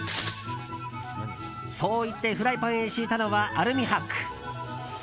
そう言ってフライパンへ敷いたのはアルミ箔。